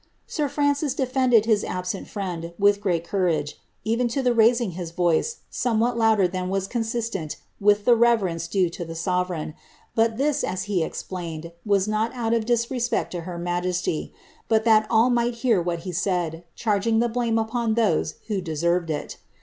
Sir Francis defended his absent friend with great courage, even to the raising his voice somewhat louder than was consistent with the reverence due to the sovereign, but this, as he explained, was not out of disrespect to her majesty, but that all might hear what he said, charging the blame upon those who deserved it.